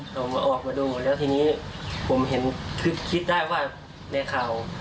ออกมาออกมาดูหมดแล้วทีนี้ผมเห็นคือคิดได้ว่าในข่าว